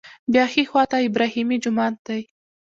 بیا ښي خوا ته ابراهیمي جومات دی.